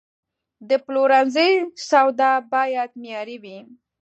د پلورنځي سودا باید معیاري وي.